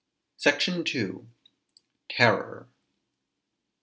SECTION II. TERROR.